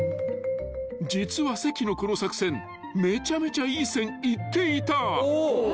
［実は関のこの作戦めちゃめちゃいい線いっていた］